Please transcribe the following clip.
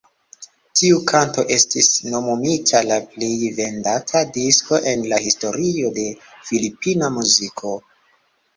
Tiu kanto estis nomumita la plej vendata disko en la historio de filipina muziko.